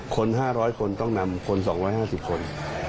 คน๕๐๐คนต้องนำคน๒๕๐คน